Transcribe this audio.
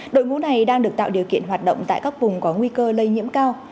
đội ngũ này đang được tạo điều kiện hoạt động tại các vùng có nguy cơ lây nhiễm cao